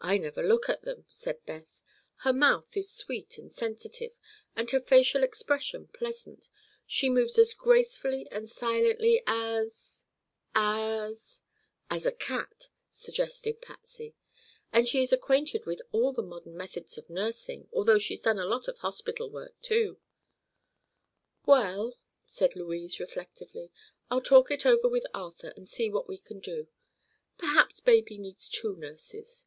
"I never look at them," said Beth. "Her mouth is sweet and sensitive and her facial expression pleasant. She moves as gracefully and silently as—as—" "As a cat," suggested Patsy. "And she is acquainted with all the modern methods of nursing, although she's done a lot of hospital work, too." "Well," said Louise, reflectively, "I'll talk it over with Arthur and see what we can do. Perhaps baby needs two nurses.